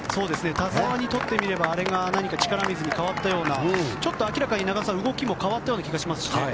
田澤にとってみれば何か力水に変わったような明らかに田澤の動きも変わったような気がします。